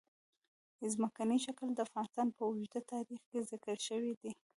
ځمکنی شکل د افغانستان په اوږده تاریخ کې ذکر شوی دی.